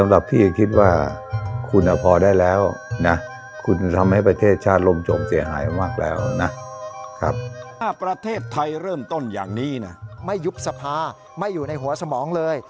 ถ้าประเทศไทยเริ่มต้นอย่างนี้นะไม่ยุบสภาไม่อยู่ในหัวสมองเลย